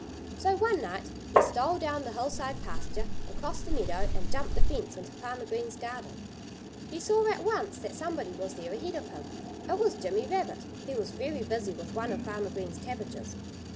So one night he stole down the hillside pasture, across the meadow, and jumped the fence into Farmer Green's garden. He saw at once that somebody was there ahead of him. It was Jimmy Rabbit. He was very busy with one of Farmer Green's cabbages.